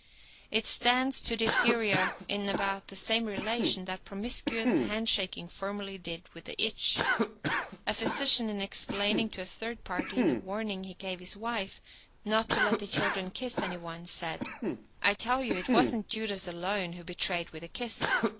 It stands to diphtheria in about the same relation that promiscuous hand shaking formerly did to the itch. A physician in explaining to a third party the warning he gave his wife not to let the children kiss any one, said: "I tell you it wasn't Judas alone who betrayed with a kiss.